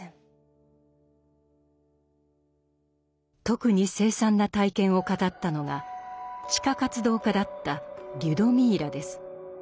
特に凄惨な体験を語ったのが地下活動家だったリュドミーラです。